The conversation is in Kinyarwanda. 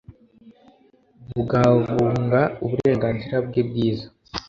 bungabunga uburenganzira bwe bwiza